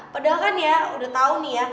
padahal kan ya udah tau nih ya